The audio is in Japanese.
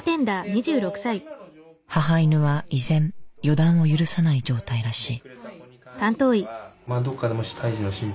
母犬は依然予断を許さない状態らしい。